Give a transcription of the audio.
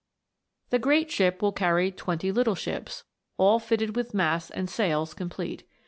The great ship will carry twenty little ships, all fitted with masts and sails complete.